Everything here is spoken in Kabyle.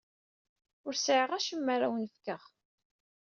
Ur sɛiɣ acemma ara awen-fkeɣ.